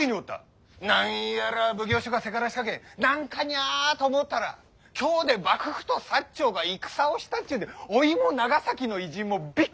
何やら奉行所がせからしかけん「何かにゃ」と思うたら京で幕府と長が戦をしたっちゅうんでおいも長崎の異人もびっくいした。